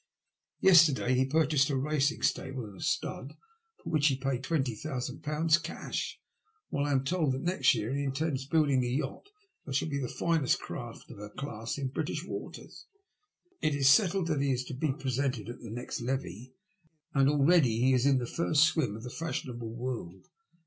Yesterday he pur chased a racing stable and a stud, for which he paid twenty thousand pounds cash ; while I am told that next year he intends building a yacht that shall be the finest craft of her class in British waters. It is settled that he is to be presented at the next levee, and already he is in the first swim of the fashionable world.